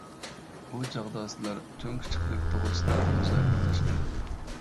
ئۇ چاغدا سىلەر چوڭ-كىچىكلىك توغرىسىدا مۇزاكىرىلەشكەن.